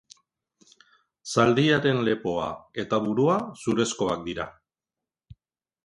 Zaldiaren lepoa eta burua zurezkoak dira.